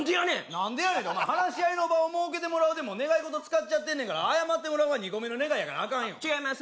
「何でやねん」ってお前話し合いの場を設けてもらうでもう願い事使っちゃってんねんから謝ってもらうは２個目の願いやからアカンよ違います